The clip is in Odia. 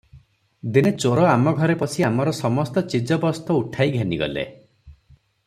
ଦିନେ ଚୋର ଆମ ଘରେ ପଶି ଆମର ସମସ୍ତ ଚିଜବସ୍ତ ଉଠାଇ ଘେନିଗଲେ ।